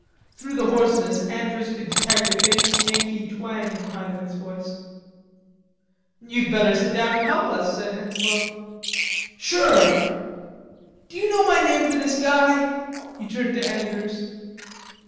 Through the hoarseness Andrews could detect a faint Yankee tang in Heineman's voice. "You'd better sit down and help us," said Henslowe. "Sure....D'you know my name for this guy?" He turned to Andrews....